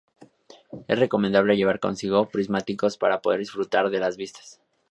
Es recomendable llevar consigo prismáticos para poder disfrutar de las vistas.